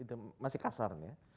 itu masih kasar ya